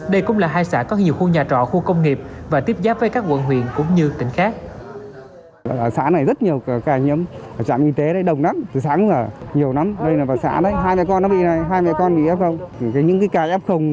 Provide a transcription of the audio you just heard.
đây cũng là hai xã có nhiều khu nhà trọ khu công nghiệp và tiếp giáp với các quận huyện cũng như tỉnh khác